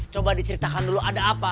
coba diceritakan dulu ada apa